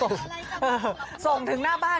ส่งของของถึงหน้าบ้าน